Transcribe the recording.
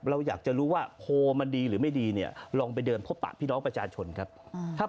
เราอยากจะรู้ว่าโพลมันดีหรือไม่ดีเนี่ยลองไปเดินพบปะพี่น้องประชาชนครับ